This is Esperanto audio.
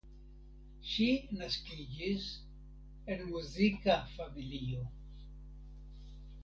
Ŝi naskiĝis en muzika familio.